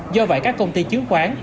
do vậy các công ty chứng khoán